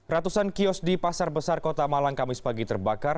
ratusan kios di pasar besar kota malang kamis pagi terbakar